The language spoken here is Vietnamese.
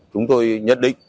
chúng tôi nhất định